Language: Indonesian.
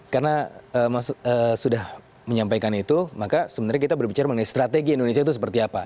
karena sudah menyampaikan itu maka sebenarnya kita berbicara mengenai strategi indonesia itu seperti apa